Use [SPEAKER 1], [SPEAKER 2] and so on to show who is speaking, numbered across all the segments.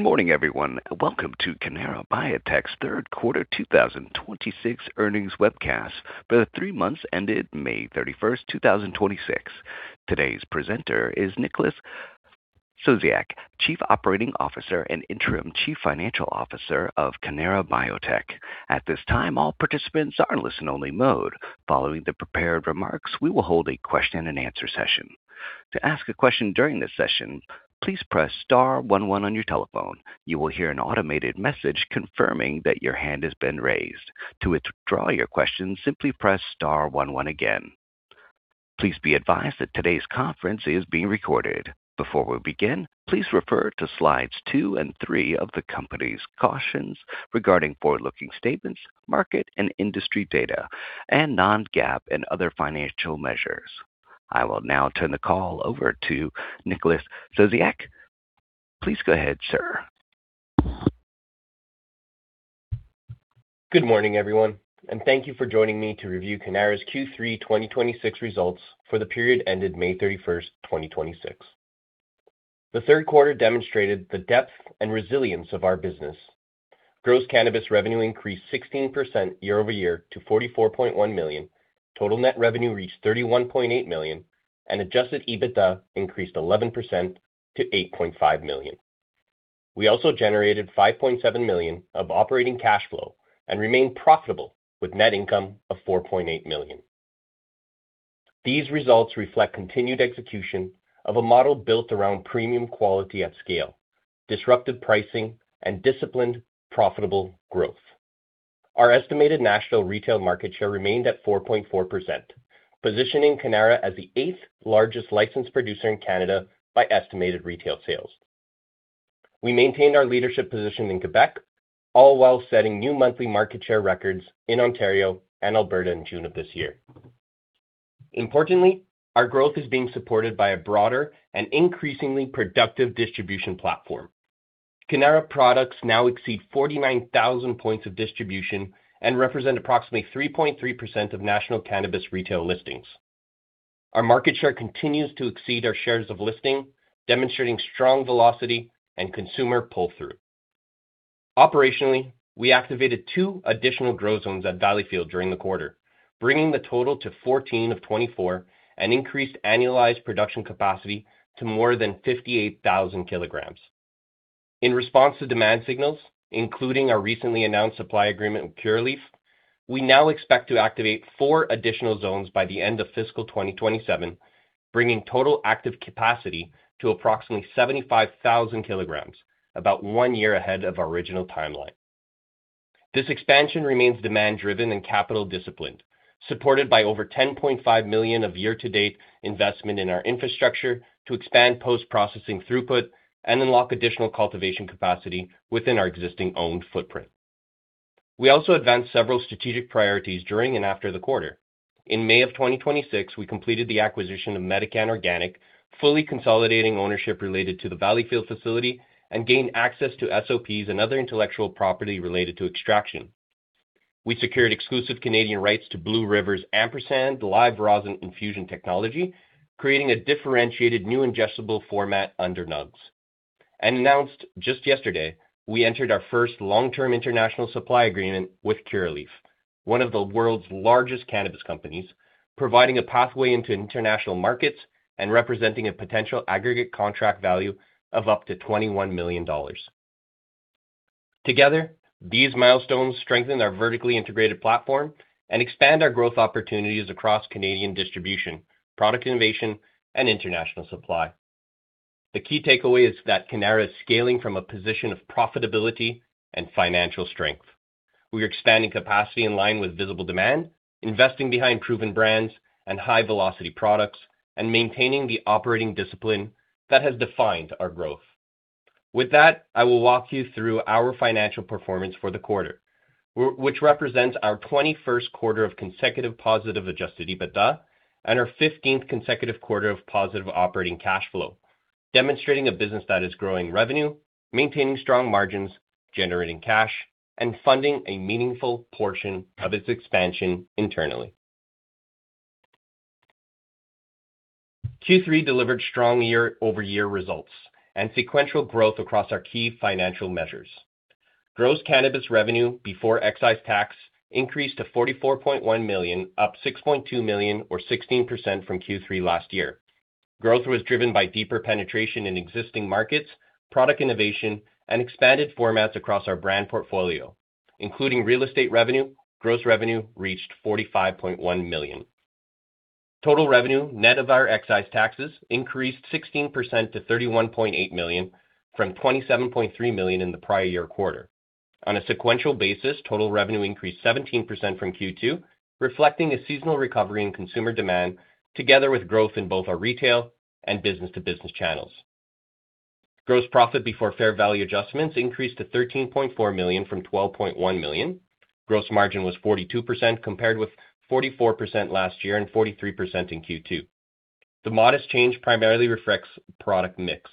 [SPEAKER 1] Good morning, everyone. Welcome to Cannara Biotech's third quarter 2026 earnings webcast for the three months ended May 31st, 2026. Today's presenter is Nicholas Sosiak, Chief Operating Officer and Interim Chief Financial Officer of Cannara Biotech. At this time, all participants are in listen only mode. Following the prepared remarks, we will hold a question and answer session. To ask a question during this session, please press star one one on your telephone. You will hear an automated message confirming that your hand has been raised. To withdraw your question, simply press star one one again. Please be advised that today's conference is being recorded. Before we begin, please refer to slides two and three of the company's cautions regarding forward-looking statements, market and industry data, and non-GAAP and other financial measures. I will now turn the call over to Nicholas Sosiak. Please go ahead, sir.
[SPEAKER 2] Good morning, everyone, and thank you for joining me to review Cannara's Q3 2026 results for the period ended May 31st, 2026. The third quarter demonstrated the depth and resilience of our business. Gross cannabis revenue increased 16% year-over-year to 44.1 million. Total net revenue reached 31.8 million, and adjusted EBITDA increased 11% to 8.5 million. We also generated 5.7 million of operating cash flow and remained profitable with net income of 4.8 million. These results reflect continued execution of a model built around premium quality at scale, disruptive pricing, and disciplined, profitable growth. Our estimated national retail market share remained at 4.4%, positioning Cannara as the eighth-largest licensed producer in Canada by estimated retail sales. We maintained our leadership position in Quebec, all while setting new monthly market share records in Ontario and Alberta in June of this year. Importantly, our growth is being supported by a broader and increasingly productive distribution platform. Cannara products now exceed 49,000 points of distribution and represent approximately 3.3% of national cannabis retail listings. Our market share continues to exceed our shares of listing, demonstrating strong velocity and consumer pull-through. Operationally, we activated two additional grow zones at Valleyfield during the quarter, bringing the total to 14 of 24 and increased annualized production capacity to more than 58,000 kg. In response to demand signals, including our recently announced supply agreement with Curaleaf, we now expect to activate four additional zones by the end of fiscal 2027, bringing total active capacity to approximately 75,000 kg, about one year ahead of our original timeline. This expansion remains demand-driven and capital-disciplined, supported by over 10.5 million of year-to-date investment in our infrastructure to expand post-processing throughput and unlock additional cultivation capacity within our existing owned footprint. We also advanced several strategic priorities during and after the quarter. In May of 2026, we completed the acquisition of Medican Organic, fully consolidating ownership related to the Valleyfield facility and gained access to SOPs and other intellectual property related to extraction. We secured exclusive Canadian rights to Blue River's Ampersand live rosin infusion technology, creating a differentiated new ingestible format under Nugz. Announced just yesterday, we entered our first long-term international supply agreement with Curaleaf, one of the world's largest cannabis companies, providing a pathway into international markets and representing a potential aggregate contract value of up to 21 million dollars. Together, these milestones strengthen our vertically integrated platform and expand our growth opportunities across Canadian distribution, product innovation, and international supply. The key takeaway is that Cannara is scaling from a position of profitability and financial strength. We are expanding capacity in line with visible demand, investing behind proven brands and high-velocity products, and maintaining the operating discipline that has defined our growth. With that, I will walk you through our financial performance for the quarter, which represents our 21st quarter of consecutive positive adjusted EBITDA and our 15th consecutive quarter of positive operating cash flow, demonstrating a business that is growing revenue, maintaining strong margins, generating cash, and funding a meaningful portion of its expansion internally. Q3 delivered strong year-over-year results and sequential growth across our key financial measures. Gross cannabis revenue before excise tax increased to 44.1 million, up 6.2 million or 16% from Q3 last year. Growth was driven by deeper penetration in existing markets, product innovation, and expanded formats across our brand portfolio, including real estate revenue, gross revenue reached 45.1 million. Total revenue, net of our excise taxes, increased 16% to 31.8 million from 27.3 million in the prior year quarter. On a sequential basis, total revenue increased 17% from Q2, reflecting a seasonal recovery in consumer demand together with growth in both our retail and business-to-business channels. Gross profit before fair value adjustments increased to 13.4 million from 12.1 million. Gross margin was 42% compared with 44% last year and 43% in Q2. The modest change primarily reflects product mix.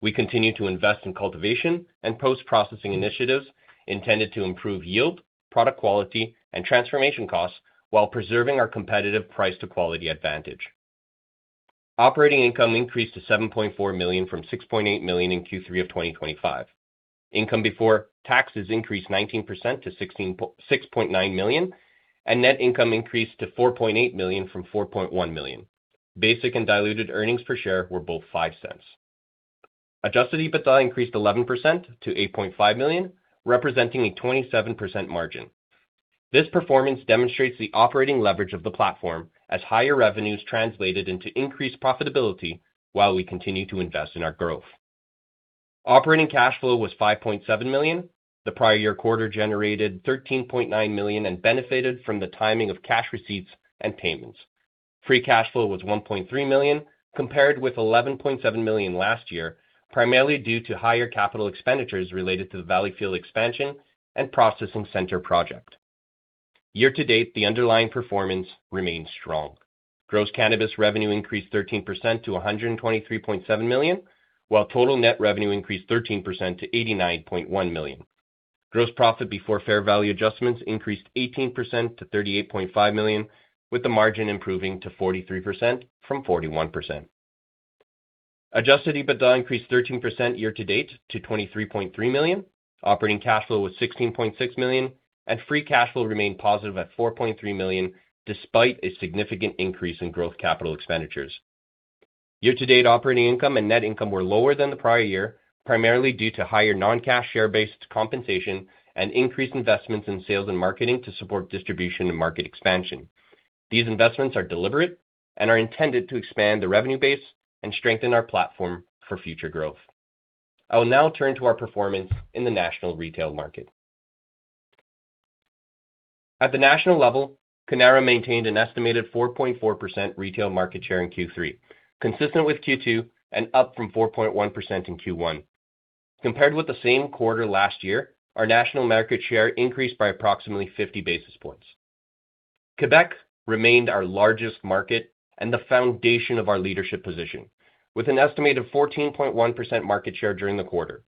[SPEAKER 2] We continue to invest in cultivation and post-processing initiatives intended to improve yield, product quality, and transformation costs while preserving our competitive price to quality advantage. Operating income increased to 7.4 million from 6.8 million in Q3 of 2025. Income before taxes increased 19% to 6.9 million, and net income increased to 4.8 million from 4.1 million. Basic and diluted earnings per share were both 0.05. Adjusted EBITDA increased 11% to 8.5 million, representing a 27% margin. This performance demonstrates the operating leverage of the platform as higher revenues translated into increased profitability while we continue to invest in our growth. Operating cash flow was 5.7 million. The prior year quarter generated 13.9 million and benefited from the timing of cash receipts and payments. Free cash flow was 1.3 million, compared with 11.7 million last year, primarily due to higher capital expenditures related to the Valleyfield expansion and processing center project. Year-to-date, the underlying performance remains strong. Gross cannabis revenue increased 13% to 123.7 million, while total net revenue increased 13% to 89.1 million. Gross profit before fair value adjustments increased 18% to 38.5 million, with the margin improving to 43% from 41%. Adjusted EBITDA increased 13% year-to-date to 23.3 million. Operating cash flow was 16.6 million, and free cash flow remained positive at 4.3 million despite a significant increase in growth capital expenditures. Year-to-date operating income and net income were lower than the prior year, primarily due to higher non-cash share-based compensation and increased investments in sales and marketing to support distribution and market expansion. These investments are deliberate and are intended to expand the revenue base and strengthen our platform for future growth. I will now turn to our performance in the national retail market. At the national level, Cannara maintained an estimated 4.4% retail market share in Q3, consistent with Q2 and up from 4.1% in Q1. Compared with the same quarter last year, our national market share increased by approximately 50 basis points. Quebec remained our largest market and the foundation of our leadership position, with an estimated 14.1% market share during the quarter.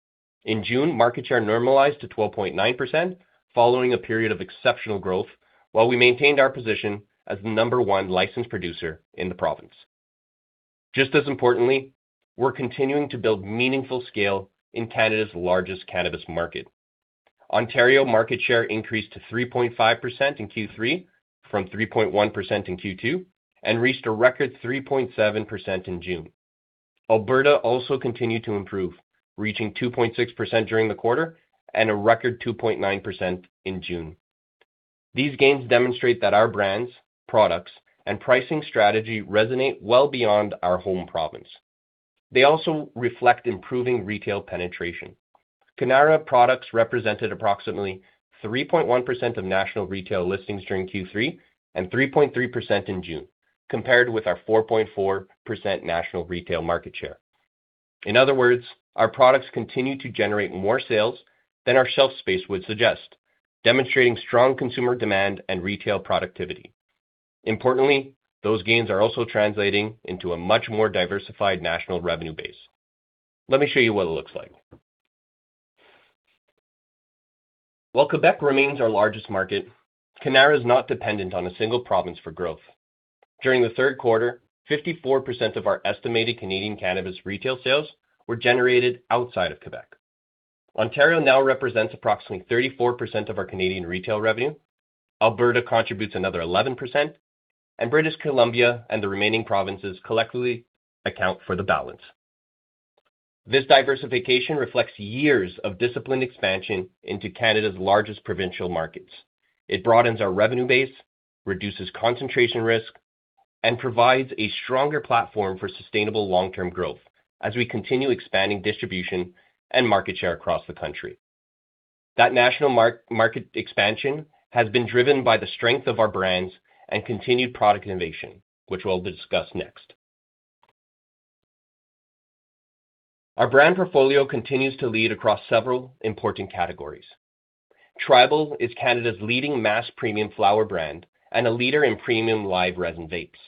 [SPEAKER 2] In June, market share normalized to 12.9%, following a period of exceptional growth, while we maintained our position as the number one licensed producer in the province. Just as importantly, we're continuing to build meaningful scale in Canada's largest cannabis market. Ontario market share increased to 3.5% in Q3 from 3.1% in Q2 and reached a record 3.7% in June. Alberta also continued to improve, reaching 2.6% during the quarter and a record 2.9% in June. These gains demonstrate that our brands, products, and pricing strategy resonate well beyond our home province. They also reflect improving retail penetration. Cannara products represented approximately 3.1% of national retail listings during Q3 and 3.3% in June, compared with our 4.4% national retail market share. In other words, our products continue to generate more sales than our shelf space would suggest, demonstrating strong consumer demand and retail productivity. Importantly, those gains are also translating into a much more diversified national revenue base. Let me show you what it looks like. While Quebec remains our largest market, Cannara is not dependent on a single province for growth. During the third quarter, 54% of our estimated Canadian cannabis retail sales were generated outside of Quebec. Ontario now represents approximately 34% of our Canadian retail revenue, Alberta contributes another 11%, and British Columbia and the remaining provinces collectively account for the balance. This diversification reflects years of disciplined expansion into Canada's largest provincial markets. It broadens our revenue base, reduces concentration risk, and provides a stronger platform for sustainable long-term growth as we continue expanding distribution and market share across the country. That national market expansion has been driven by the strength of our brands and continued product innovation, which we'll discuss next. Our brand portfolio continues to lead across several important categories. Tribal is Canada's leading mass premium flower brand and a leader in premium live resin vapes.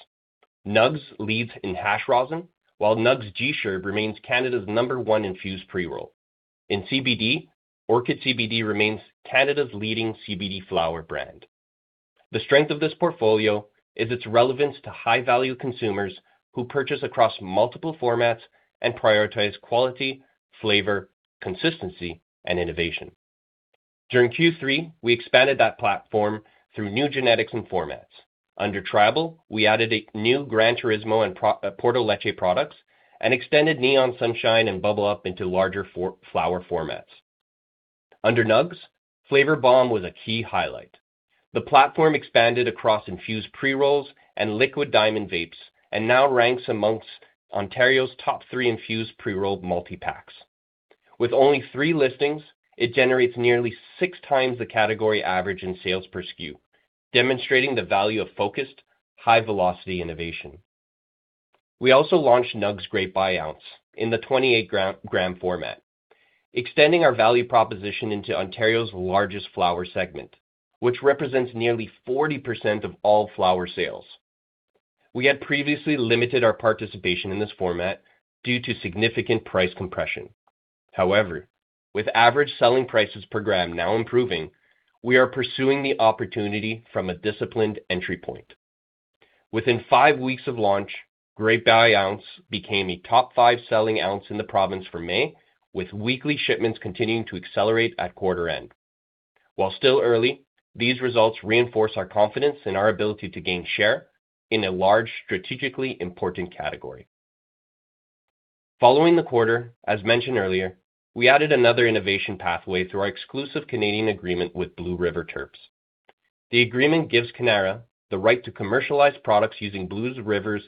[SPEAKER 2] Nugz leads in hash rosin, while Nugz G-Sherb remains Canada's number one infused pre-roll. In CBD, Orchid CBD remains Canada's leading CBD flower brand. The strength of this portfolio is its relevance to high-value consumers who purchase across multiple formats and prioritize quality, flavor, consistency, and innovation. During Q3, we expanded that platform through new genetics and formats. Under Tribal, we added a new Gran Turismo and Porto Leche products and extended Neon Sunshine and Bubble Up into larger flower formats. Under Nugz, Flavor Bomb was a key highlight. The platform expanded across infused pre-rolls and liquid diamond vapes and now ranks amongst Ontario's top three infused pre-rolled multi-packs. With only three listings, it generates nearly 6x the category average in sales per SKU, demonstrating the value of focused high-velocity innovation. We also launched Nugz Grape by Ounce in the 28 g format, extending our value proposition into Ontario's largest flower segment, which represents nearly 40% of all flower sales. We had previously limited our participation in this format due to significant price compression. However, with average selling prices per gram now improving, we are pursuing the opportunity from a disciplined entry point. Within five weeks of launch, Grape by Ounce became a top five selling ounce in the province for May, with weekly shipments continuing to accelerate at quarter end. While still early, these results reinforce our confidence in our ability to gain share in a large, strategically important category. Following the quarter, as mentioned earlier, we added another innovation pathway through our exclusive Canadian agreement with Blue River Terps. The agreement gives Cannara the right to commercialize products using Blue River's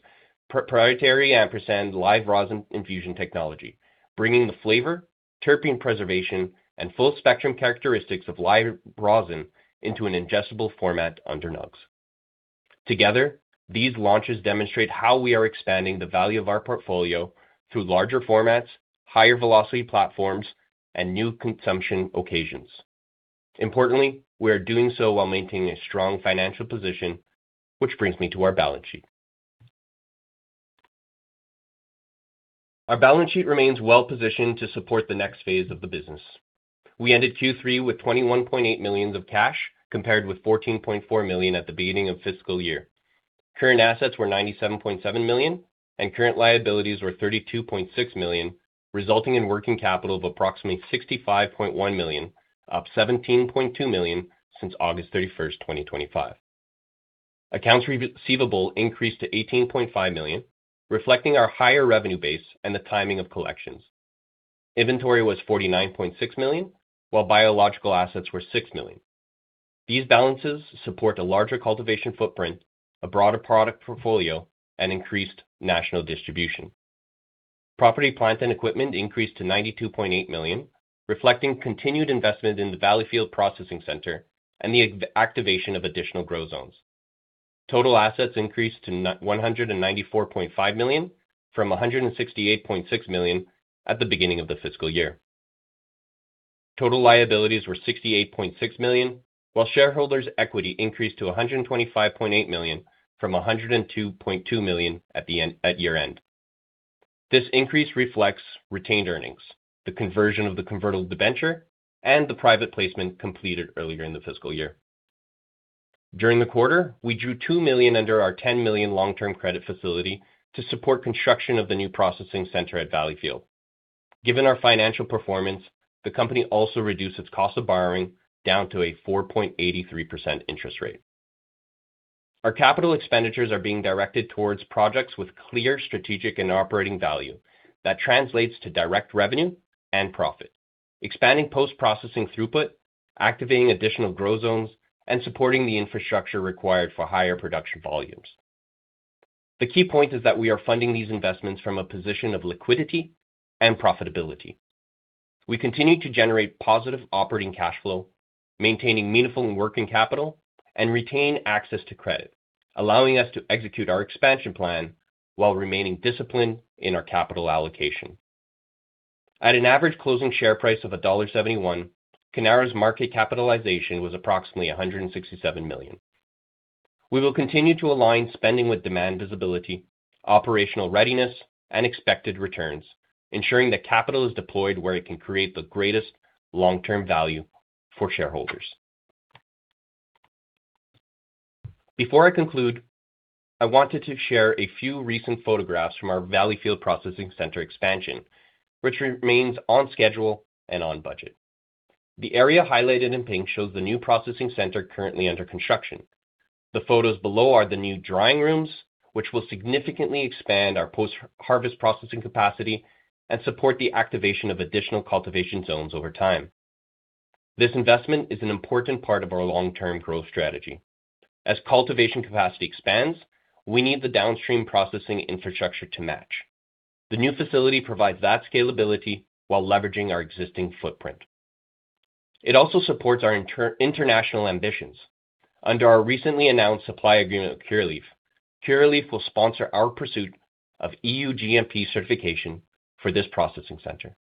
[SPEAKER 2] proprietary Ampersand live rosin infusion technology, bringing the flavor, terpene preservation, and full-spectrum characteristics of live rosin into an ingestible format under Nugz. Together, these launches demonstrate how we are expanding the value of our portfolio through larger formats, higher velocity platforms, and new consumption occasions. Importantly, we are doing so while maintaining a strong financial position, which brings me to our balance sheet. Our balance sheet remains well-positioned to support the next phase of the business. We ended Q3 with 21.8 million of cash compared with 14.4 million at the beginning of fiscal year. Current assets were 97.7 million, and current liabilities were 32.6 million, resulting in working capital of approximately 65.1 million, up 17.2 million since August 31st, 2025. Accounts receivable increased to 18.5 million, reflecting our higher revenue base and the timing of collections. Inventory was 49.6 million, while biological assets were 6 million. These balances support a larger cultivation footprint, a broader product portfolio, and increased national distribution. Property, plant, and equipment increased to 92.8 million, reflecting continued investment in the Valleyfield processing center and the activation of additional grow zones. Total assets increased to 194.5 million from 168.6 million at the beginning of the fiscal year. Total liabilities were 68.6 million, while shareholders' equity increased to 125.8 million from 102.2 million at year end. This increase reflects retained earnings, the conversion of the convertible debenture, and the private placement completed earlier in the fiscal year. During the quarter, we drew 2 million under our 10 million long-term credit facility to support construction of the new processing center at Valleyfield. Given our financial performance, the company also reduced its cost of borrowing down to a 4.83% interest rate. Our capital expenditures are being directed towards projects with clear strategic and operating value that translates to direct revenue and profit, expanding post-processing throughput, activating additional grow zones, and supporting the infrastructure required for higher production volumes. The key point is that we are funding these investments from a position of liquidity and profitability. We continue to generate positive operating cash flow, maintaining meaningful working capital, and retain access to credit, allowing us to execute our expansion plan while remaining disciplined in our capital allocation. At an average closing share price of CAD 1.71, Cannara's market capitalization was approximately 167 million. We will continue to align spending with demand visibility, operational readiness, and expected returns, ensuring that capital is deployed where it can create the greatest long-term value for shareholders. Before I conclude, I wanted to share a few recent photographs from our Valleyfield processing center expansion, which remains on schedule and on budget. The area highlighted in pink shows the new processing center currently under construction. The photos below are the new drying rooms, which will significantly expand our post-harvest processing capacity and support the activation of additional cultivation zones over time. This investment is an important part of our long-term growth strategy. As cultivation capacity expands, we need the downstream processing infrastructure to match. The new facility provides that scalability while leveraging our existing footprint. It also supports our international ambitions. Under our recently announced supply agreement with Curaleaf will sponsor our pursuit of EU GMP certification for this processing center.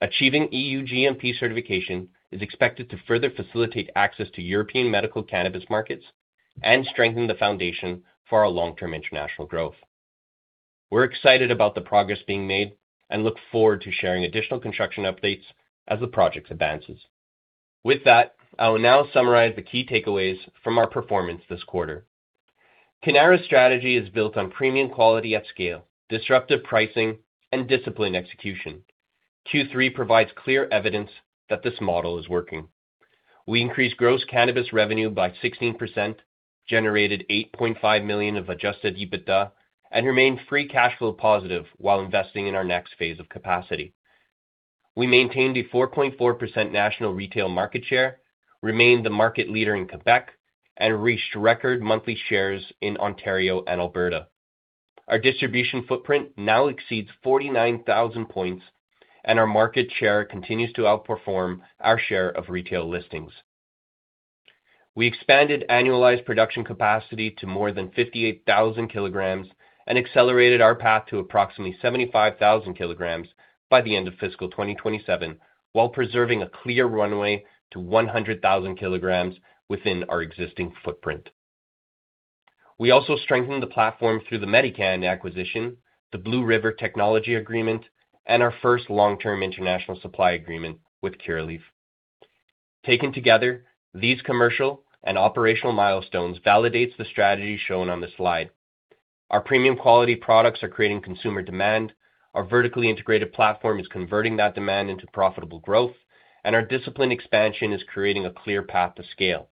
[SPEAKER 2] Achieving EU GMP certification is expected to further facilitate access to European medical cannabis markets and strengthen the foundation for our long-term international growth. We are excited about the progress being made and look forward to sharing additional construction updates as the project advances. With that, I will now summarize the key takeaways from our performance this quarter. Cannara's strategy is built on premium quality at scale, disruptive pricing, and disciplined execution. Q3 provides clear evidence that this model is working. We increased gross cannabis revenue by 16%, generated 8.5 million of adjusted EBITDA, and remained free cash flow positive while investing in our next phase of capacity. We maintained a 4.4% national retail market share, remained the market leader in Quebec, and reached record monthly shares in Ontario and Alberta. Our distribution footprint now exceeds 49,000 points, and our market share continues to outperform our share of retail listings. We expanded annualized production capacity to more than 58,000 kg and accelerated our path to approximately 75,000 kg by the end of fiscal 2027 while preserving a clear runway to 100,000 kg within our existing footprint. We also strengthened the platform through the Medican acquisition, the Blue River technology agreement, and our first long-term international supply agreement with Curaleaf. Taken together, these commercial and operational milestones validates the strategy shown on this slide. Our premium quality products are creating consumer demand, our vertically integrated platform is converting that demand into profitable growth, and our disciplined expansion is creating a clear path to scale.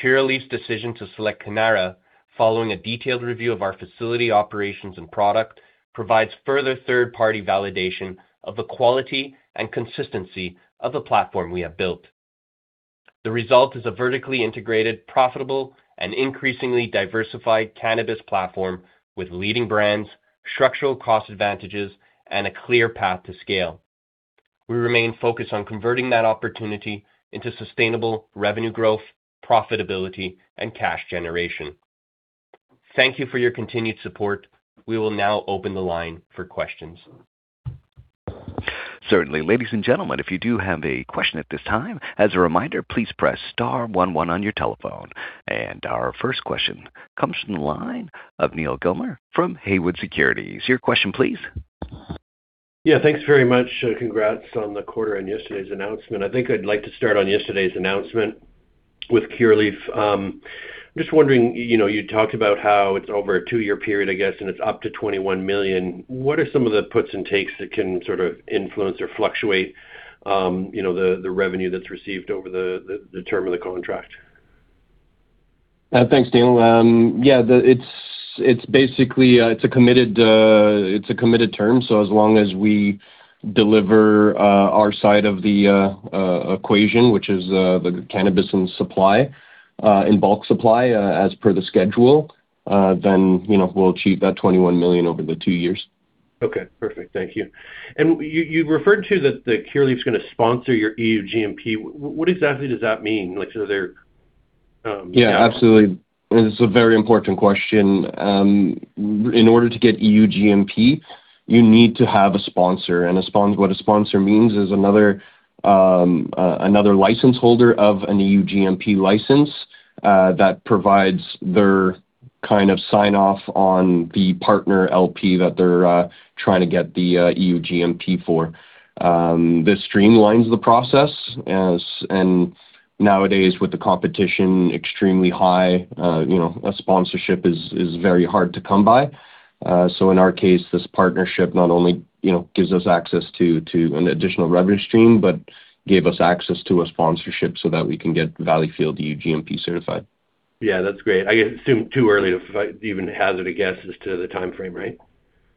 [SPEAKER 2] Curaleaf's decision to select Cannara following a detailed review of our facility, operations, and product provides further third-party validation of the quality and consistency of the platform we have built. The result is a vertically integrated, profitable, and increasingly diversified cannabis platform with leading brands, structural cost advantages, and a clear path to scale. We remain focused on converting that opportunity into sustainable revenue growth, profitability, and cash generation. Thank you for your continued support. We will now open the line for questions.
[SPEAKER 1] Certainly. Ladies and gentlemen, if you do have a question at this time, as a reminder, please press * one one on your telephone. Our first question comes from the line of Neal Gilmer from Haywood Securities. Your question, please.
[SPEAKER 3] Yeah. Thanks very much. Congrats on the quarter and yesterday's announcement. I think I'd like to start on yesterday's announcement with Curaleaf. I'm just wondering, you talked about how it's over a two-year period, I guess, and it's up to 21 million. What are some of the puts and takes that can sort of influence or fluctuate the revenue that's received over the term of the contract?
[SPEAKER 2] Thanks, Neal. Yeah. It's a committed term, as long as we deliver our side of the equation, which is the cannabis and supply in bulk supply as per the schedule, we'll achieve that 21 million over the two years.
[SPEAKER 3] Okay, perfect. Thank you. You referred to that the Curaleaf's going to sponsor your EU GMP. What exactly does that mean?
[SPEAKER 2] Yeah, absolutely. It's a very important question. In order to get EU GMP, you need to have a sponsor. What a sponsor means is another license holder of an EU GMP license that provides their kind of sign-off on the partner LP that they're trying to get the EU GMP for. This streamlines the process as nowadays, with the competition extremely high, a sponsorship is very hard to come by. In our case, this partnership not only gives us access to an additional revenue stream, but gave us access to a sponsorship so that we can get Valleyfield EU GMP certified.
[SPEAKER 3] Yeah, that's great. I guess it's too early to even hazard a guess as to the timeframe, right?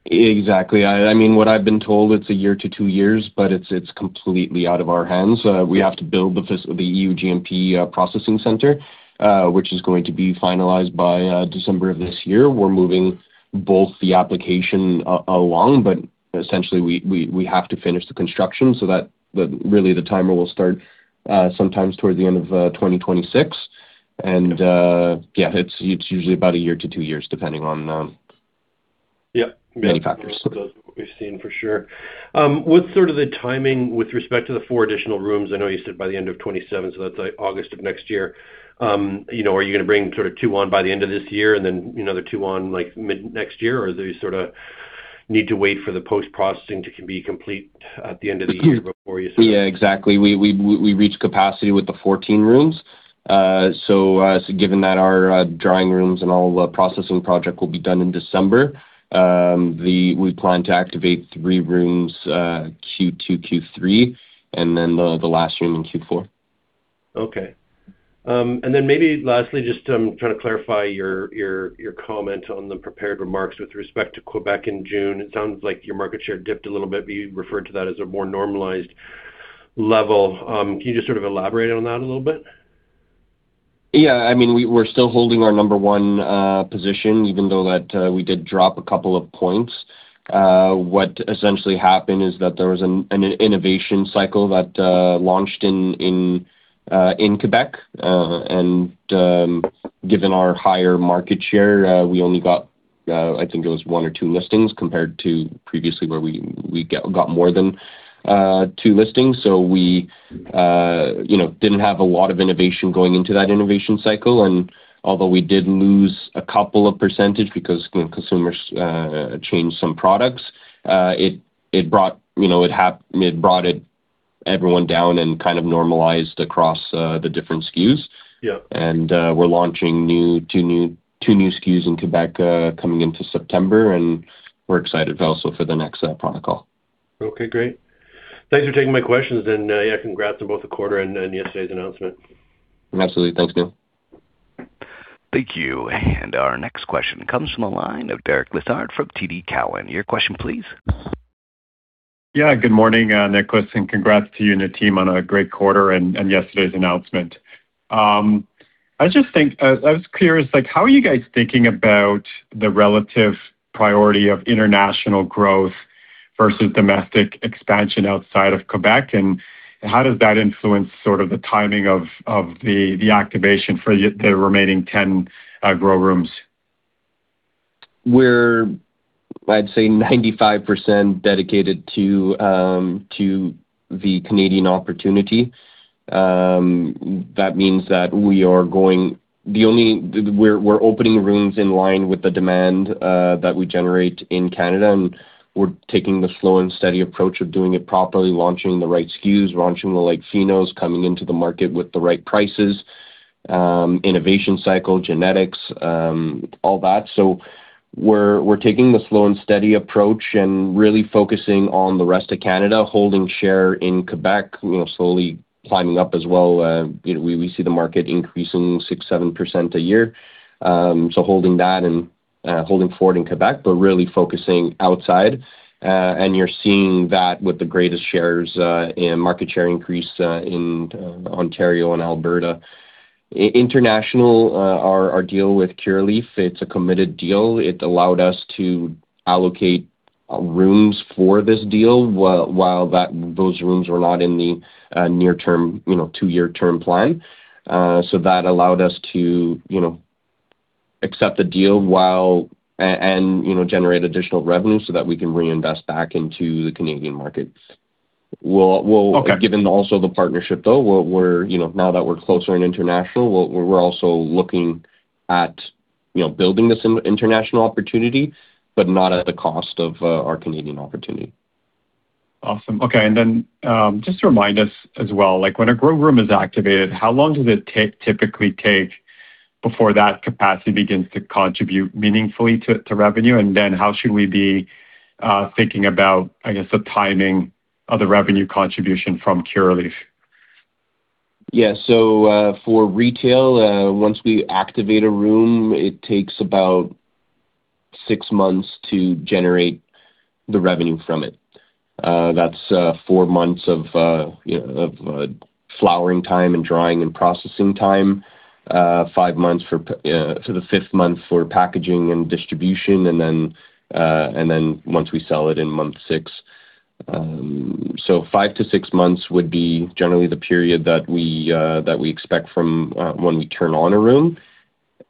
[SPEAKER 2] Exactly. I mean, what I've been told, it's a year to two years, but it's completely out of our hands. We have to build the EU GMP processing center, which is going to be finalized by December of this year. We're moving both the application along, but essentially, we have to finish the construction so that really the timer will start sometimes towards the end of 2026. Yeah, it's usually about a year to two years, depending on-
[SPEAKER 3] Yeah
[SPEAKER 2] many factors.
[SPEAKER 3] Those are what we've seen for sure. What's sort of the timing with respect to the four additional rooms? I know you said by the end of 2027, so that's like August of next year. Are you going to bring sort of two on by the end of this year and then another two on mid next year, or do you sort of need to wait for the post-processing to be complete at the end of the year before you-
[SPEAKER 2] Yeah, exactly. We reached capacity with the 14 rooms. Given that our drying rooms and all the processing project will be done in December, we plan to activate three rooms, Q2, Q3, and then the last room in Q4.
[SPEAKER 3] Okay. Maybe lastly, just trying to clarify your comment on the prepared remarks with respect to Quebec in June. It sounds like your market share dipped a little bit, but you referred to that as a more normalized level. Can you just sort of elaborate on that a little bit?
[SPEAKER 2] Yeah, I mean, we're still holding our number one position, even though that we did drop a couple of points. What essentially happened is that there was an innovation cycle that launched in Quebec. Given our higher market share, we only got, I think it was one or two listings compared to previously where we got more than two listings. We didn't have a lot of innovation going into that innovation cycle. Although we did lose a couple of percentage because consumers changed some products, it brought everyone down and kind of normalized across the different SKUs.
[SPEAKER 3] Yeah.
[SPEAKER 2] We're launching two new SKUs in Quebec coming into September, and we're excited also for the next product call.
[SPEAKER 3] Okay, great. Thanks for taking my questions. Congrats on both the quarter and yesterday's announcement.
[SPEAKER 2] Absolutely. Thanks, Neal.
[SPEAKER 1] Thank you. Our next question comes from the line of Derek Lessard from TD Cowen. Your question, please.
[SPEAKER 4] Yeah, good morning, Nicholas, and congrats to you and the team on a great quarter and yesterday's announcement. I was curious, how are you guys thinking about the relative priority of international growth versus domestic expansion outside of Quebec, and how does that influence sort of the timing of the activation for the remaining 10 grow rooms?
[SPEAKER 2] We're, I'd say, 95% dedicated to the Canadian opportunity. That means that we're opening rooms in line with the demand that we generate in Canada, and we're taking the slow and steady approach of doing it properly, launching the right SKUs, launching the right phenos, coming into the market with the right prices, innovation cycle, genetics, all that. We're taking the slow and steady approach and really focusing on the rest of Canada, holding share in Quebec, slowly climbing up as well. We see the market increasing 6%-7% a year. Holding that and holding forward in Quebec, but really focusing outside. You're seeing that with the greatest shares in market share increase in Ontario and Alberta. International, our deal with Curaleaf, it's a committed deal. It allowed us to allocate rooms for this deal while those rooms were not in the near term, two-year term plan. That allowed us to accept a deal and generate additional revenue so that we can reinvest back into the Canadian markets.
[SPEAKER 4] Okay.
[SPEAKER 2] Given also the partnership, though, now that we're closer in international, we're also looking at building this international opportunity, but not at the cost of our Canadian opportunity.
[SPEAKER 4] Awesome. Okay, just to remind us as well, when a grow room is activated, how long does it typically take before that capacity begins to contribute meaningfully to revenue? How should we be thinking about, I guess, the timing of the revenue contribution from Curaleaf?
[SPEAKER 2] Yeah. For retail, once we activate a room, it takes about six months to generate the revenue from it. That's four months of flowering time and drying and processing time, the fifth month for packaging and distribution, and then once we sell it in month six. Five to six months would be generally the period that we expect from when we turn on a room.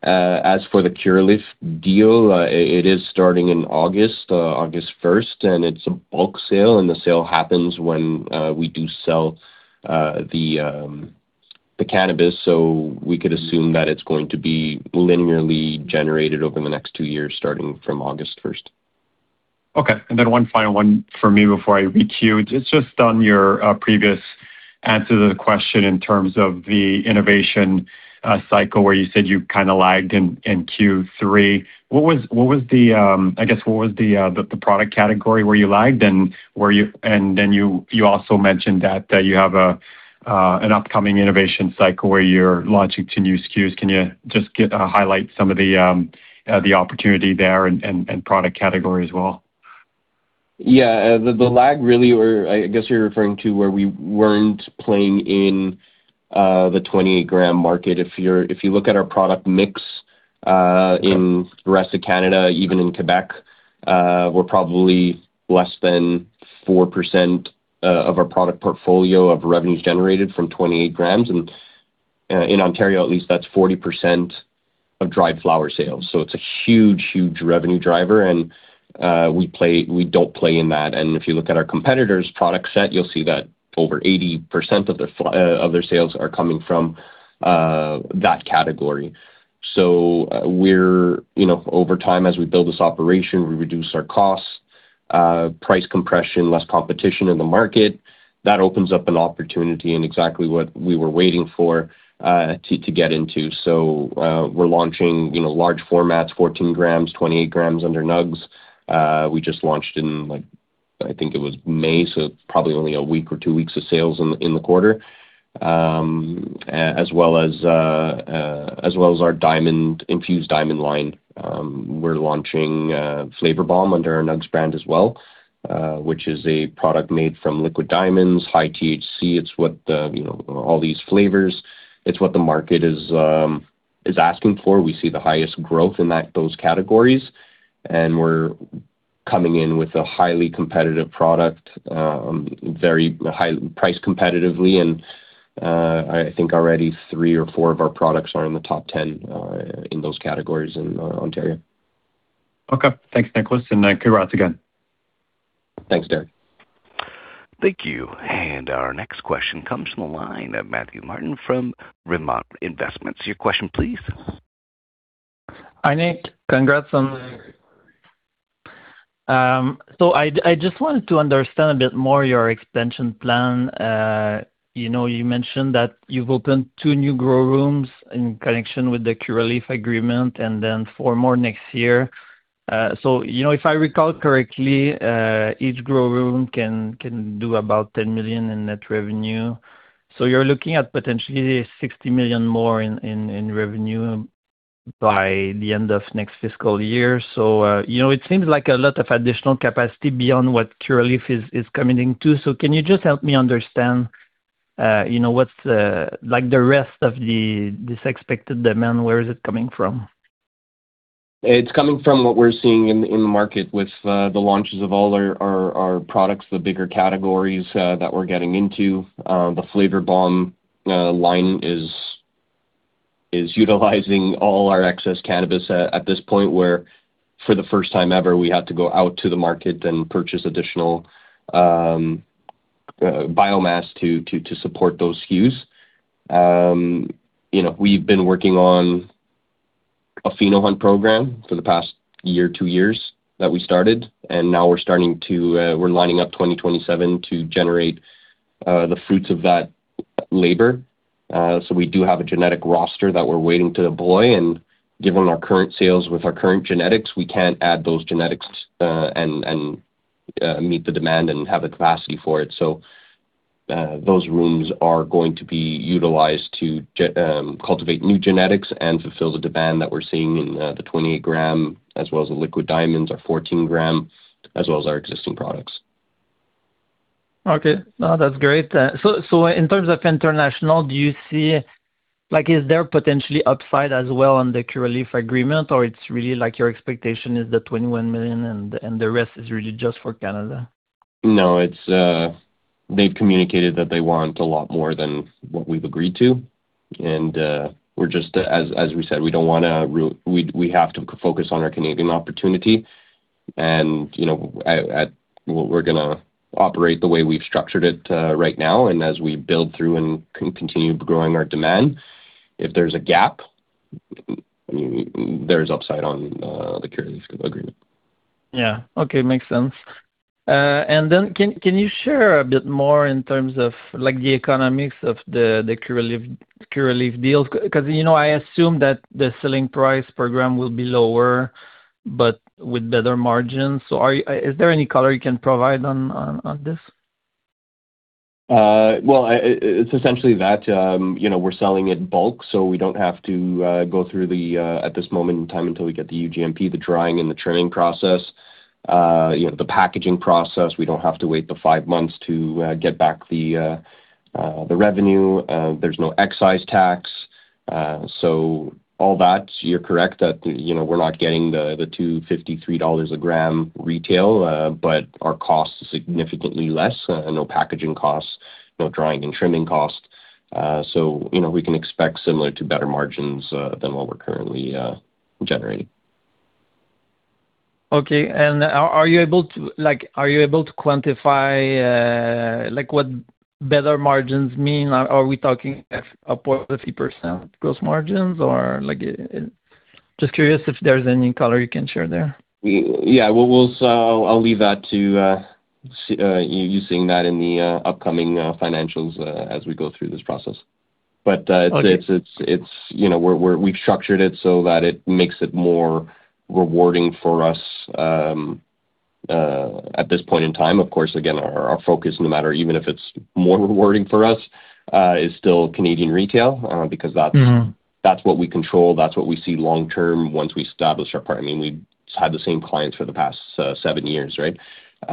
[SPEAKER 2] As for the Curaleaf deal, it is starting in August 1st, and it's a bulk sale, and the sale happens when we do sell the cannabis. We could assume that it's going to be linearly generated over the next two years, starting from August 1st.
[SPEAKER 4] Okay. One final one for me before I re-queue. It's just on your previous answer to the question in terms of the innovation cycle where you said you kind of lagged in Q3. I guess, what was the product category where you lagged? You also mentioned that you have an upcoming innovation cycle where you're launching two new SKUs. Can you just highlight some of the opportunity there and product category as well?
[SPEAKER 2] Yeah. The lag, really, where I guess you're referring to where we weren't playing in the 28 g market. If you look at our product mix in the rest of Canada, even in Quebec, we're probably less than 4% of our product portfolio of revenues generated from 28 g. In Ontario, at least, that's 40% of dried flower sales. It's a huge revenue driver, and we don't play in that. If you look at our competitors' product set, you'll see that over 80% of their sales are coming from that category. Over time, as we build this operation, we reduce our costs. Price compression, less competition in the market. That opens up an opportunity in exactly what we were waiting for to get into. We're launching large formats, 14 g, 28 g under Nugz. We just launched in, I think it was May, it's probably only a week or two weeks of sales in the quarter. As well as our diamond-infused diamond line. We're launching Flavor Bomb under our Nugz brand as well, which is a product made from liquid diamonds, high THC. All these flavors. It's what the market is asking for. We see the highest growth in those categories, and we're coming in with a highly competitive product, priced competitively, and I think already three or four of our products are in the top 10 in those categories in Ontario.
[SPEAKER 4] Thanks, Nicholas. Congrats again.
[SPEAKER 2] Thanks, Derek.
[SPEAKER 1] Thank you. Our next question comes from the line of Mathieu Martin from Rivemont Investments. Your question, please.
[SPEAKER 5] Hi, Nick. Congrats on the
[SPEAKER 2] Thanks.
[SPEAKER 5] I just wanted to understand a bit more your expansion plan. You mentioned that you've opened two new grow rooms in connection with the Curaleaf agreement and then four more next year. If I recall correctly, each grow room can do about 10 million in net revenue. You're looking at potentially 60 million more in revenue by the end of next fiscal year. It seems like a lot of additional capacity beyond what Curaleaf is committing to. Can you just help me understand the rest of this expected demand, where is it coming from?
[SPEAKER 2] It's coming from what we're seeing in the market with the launches of all our products, the bigger categories that we're getting into. The Flavor Bomb line is utilizing all our excess cannabis at this point where for the first time ever, we had to go out to the market and purchase additional biomass to support those SKUs. We've been working on a pheno hunt program for the past year or two years that we started, and now we're lining up 2027 to generate the fruits of that labor. We do have a genetic roster that we're waiting to deploy, and given our current sales with our current genetics, we can't add those genetics and meet the demand and have the capacity for it. Those rooms are going to be utilized to cultivate new genetics and fulfill the demand that we're seeing in the 28 g, as well as the liquid diamonds, our 14 g, as well as our existing products.
[SPEAKER 5] Okay. No, that's great. In terms of international, is there potentially upside as well on the Curaleaf agreement, or it's really like your expectation is the 21 million and the rest is really just for Canada?
[SPEAKER 2] No. They've communicated that they want a lot more than what we've agreed to. As we said, we have to focus on our Canadian opportunity. We're going to operate the way we've structured it right now, and as we build through and continue growing our demand, if there's a gap, there's upside on the Curaleaf agreement.
[SPEAKER 5] Yeah. Okay. Makes sense. Can you share a bit more in terms of the economics of the Curaleaf deal? I assume that the selling price per gram will be lower but with better margins. Is there any color you can provide on this?
[SPEAKER 2] Well, it's essentially that. We're selling in bulk, we don't have to go through the, at this moment in time until we get the EU GMP, the drying and the trimming process, the packaging process. We don't have to wait the five months to get back the revenue. There's no excise tax. All that, you're correct that we're not getting the 253 dollars a gram retail, but our cost is significantly less. No packaging costs, no drying and trimming cost. We can expect similar to better margins than what we're currently generating.
[SPEAKER 5] Okay. Are you able to quantify what better margins mean? Are we talking up what, 50% gross margins or just curious if there's any color you can share there.
[SPEAKER 2] Yeah. I'll leave that to you seeing that in the upcoming financials as we go through this process.
[SPEAKER 5] Okay.
[SPEAKER 2] We've structured it so that it makes it more rewarding for us at this point in time. Of course, again, our focus, no matter, even if it's more rewarding for us, is still Canadian retail because. that's what we control, that's what we see long term once we establish our part. I mean, we've had the same clients for the past seven years, right? That's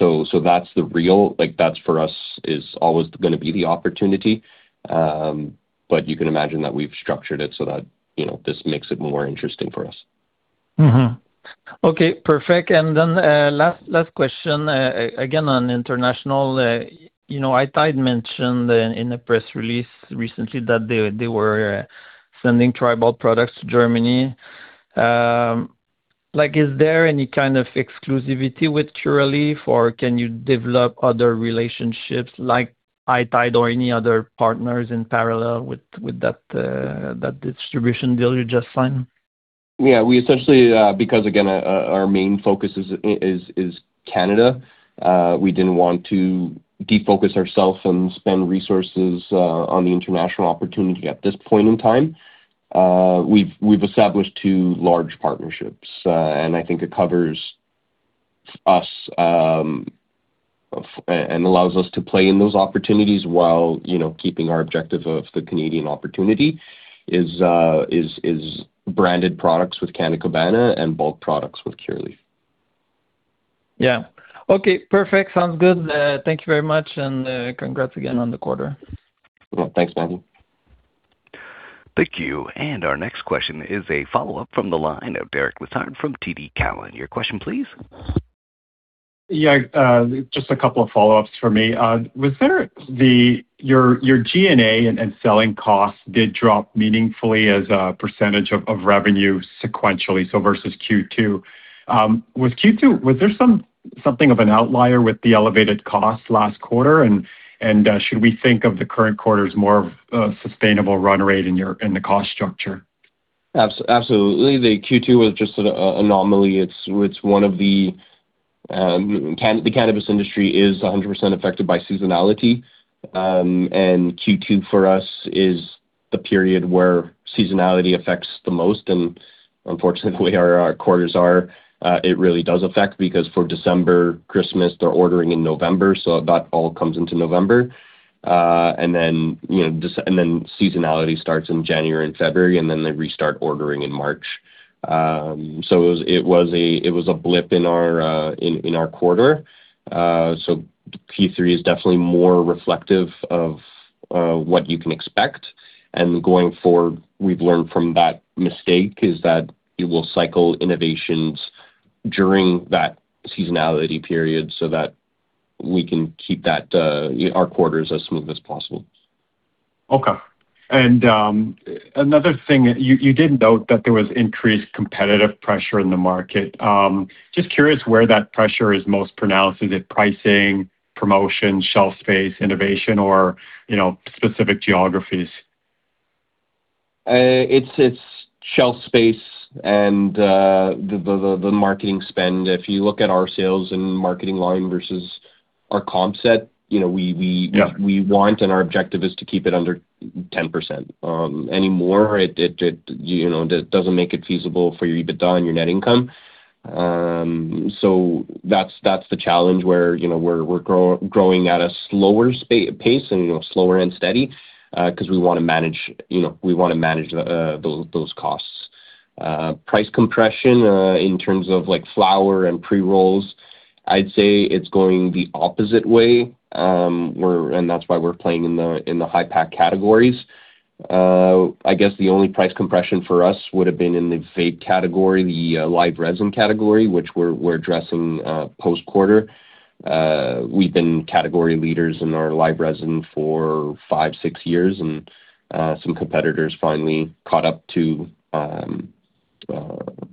[SPEAKER 2] the real, that for us is always going to be the opportunity. You can imagine that we've structured it so that this makes it more interesting for us.
[SPEAKER 5] Mm-hmm. Okay, perfect. Then last question, again, on international. High Tide mentioned in the press release recently that they were sending Tribal products to Germany. Is there any kind of exclusivity with Curaleaf, or can you develop other relationships like High Tide or any other partners in parallel with that distribution deal you just signed?
[SPEAKER 2] Yeah. Because again our main focus is Canada, we didn't want to defocus ourselves and spend resources on the international opportunity at this point in time. We've established two large partnerships. I think it covers us, and allows us to play in those opportunities while keeping our objective of the Canadian opportunity, is branded products with Canna Cabana and bulk products with Curaleaf.
[SPEAKER 5] Yeah. Okay, perfect. Sounds good. Thank you very much, congrats again on the quarter.
[SPEAKER 2] Thanks, Mathieu.
[SPEAKER 1] Thank you. Our next question is a follow-up from the line of Derek Lessard from TD Cowen. Your question, please.
[SPEAKER 4] Yeah. Just a couple of follow-ups for me. Your G&A and selling costs did drop meaningfully as a percentage of revenue sequentially, so versus Q2. Was there something of an outlier with the elevated cost last quarter? Should we think of the current quarter as more of a sustainable run rate in the cost structure?
[SPEAKER 2] Absolutely. The Q2 was just an anomaly. The cannabis industry is 100% affected by seasonality. Q2 for us is the period where seasonality affects the most. Unfortunately, it really does affect because for December, Christmas, they're ordering in November. That all comes into November. Seasonality starts in January and February, then they restart ordering in March. It was a blip in our quarter. Q3 is definitely more reflective of what you can expect. Going forward, we've learned from that mistake, is that we will cycle innovations during that seasonality period so that we can keep our quarters as smooth as possible.
[SPEAKER 4] Okay. Another thing, you did note that there was increased competitive pressure in the market. Just curious where that pressure is most pronounced. Is it pricing, promotion, shelf space, innovation, or specific geographies?
[SPEAKER 2] It's shelf space and the marketing spend. If you look at our sales and marketing line versus our comp set.
[SPEAKER 4] Yeah
[SPEAKER 2] We want, our objective is to keep it under 10%. Any more, it doesn't make it feasible for your EBITDA and your net income. That's the challenge where we're growing at a slower pace and slower and steady, because we want to manage those costs. Price compression, in terms of flower and pre-rolls, I'd say it's going the opposite way, and that's why we're playing in the high pack categories. I guess the only price compression for us would've been in the vape category, the live resin category, which we're addressing post-quarter. We've been category leaders in our live resin for five, six years, and some competitors finally,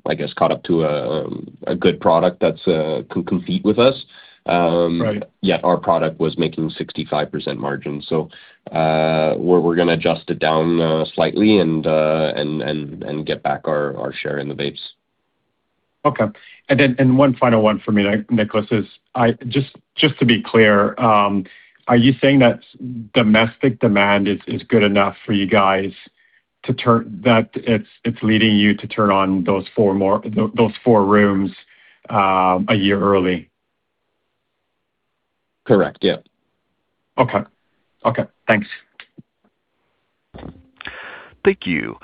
[SPEAKER 2] I guess, caught up to a good product that can compete with us.
[SPEAKER 4] Right.
[SPEAKER 2] Yet our product was making 65% margin. We're going to adjust it down slightly and get back our share in the vapes.
[SPEAKER 4] Okay. One final one for me, Nicholas, is just to be clear, are you saying that domestic demand is good enough for you guys, that it's leading you to turn on those four rooms a year early?
[SPEAKER 2] Correct. Yeah.
[SPEAKER 4] Okay. Thanks.
[SPEAKER 1] Thank you.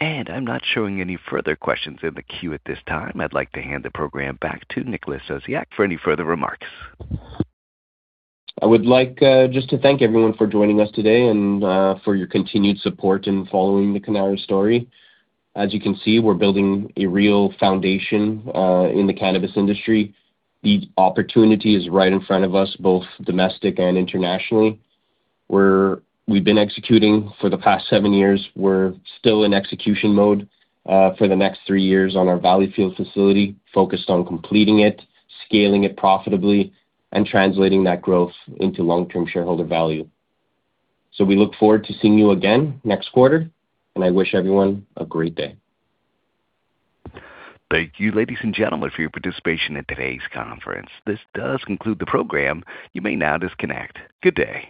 [SPEAKER 1] I'm not showing any further questions in the queue at this time. I'd like to hand the program back to Nicholas Sosiak for any further remarks.
[SPEAKER 2] I would like just to thank everyone for joining us today, and for your continued support in following the Cannara story. As you can see, we're building a real foundation in the cannabis industry. The opportunity is right in front of us, both domestic and internationally, where we've been executing for the past seven years. We're still in execution mode for the next three years on our Valleyfield facility, focused on completing it, scaling it profitably, and translating that growth into long-term shareholder value. We look forward to seeing you again next quarter, and I wish everyone a great day.
[SPEAKER 1] Thank you, ladies and gentlemen, for your participation in today's conference. This does conclude the program. You may now disconnect. Good day